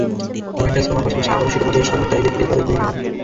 Juventus, রোমার পাশাপাশি আবারও শিরোপা জয়ের স্বপ্ন তাই দেখতেই পারে দুই মিলান।